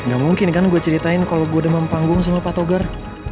gak mungkin kan gue ceritain kalau gue udah mempanggung sama patogar